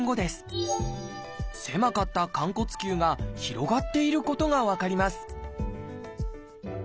狭かった寛骨臼が広がっていることが分かります